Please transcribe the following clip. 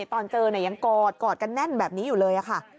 ตอนเจอยังกอดกอดกันแน่นแบบนี้อยู่เลยค่ะ